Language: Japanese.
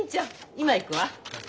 今行くわ。